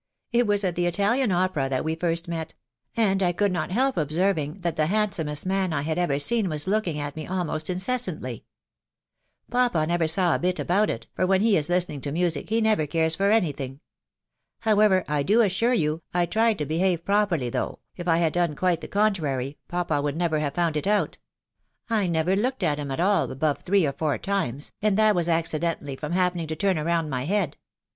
It was at the Italian opera that we first met; and I could not help observing that the handsomest man I had ever seen was looking at me almost incessantly. Papa never saw a bit about it, for when he is listening to music he never cares for any thing. However, I do assure you, I tried to behave properly; though, if I had done quite the contrary, papa would never have found it out I never looked at him at all above three or four times, and that was accidentally from happening to turn round my head.